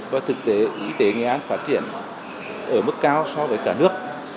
và thực tế y tế nghệ an phát triển ở mức cao so với cả nước